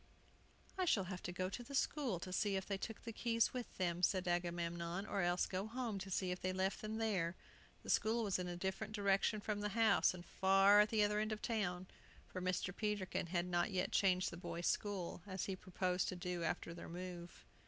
"I shall have to go to the school to see if they took the keys with them," said Agamemnon; "or else go home to see if they left them there." The school was in a different direction from the house, and far at the other end of the town; for Mr. Peterkin had not yet changed the boys' school, as he proposed to do after their move.